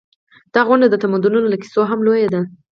دا غونډ د تمدنونو له کیسو هم لوی دی.